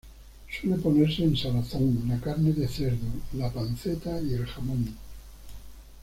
Suele ponerse en salazón la carne de cerdo, la panceta y el jamón.